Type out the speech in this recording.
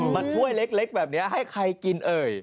ถ้วยเล็กแบบนี้ให้ใครกินเอ่ย